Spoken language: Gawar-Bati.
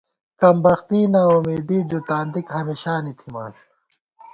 کمبختی، ناامیدی، دُتان دِک ہمیشانی تھِمان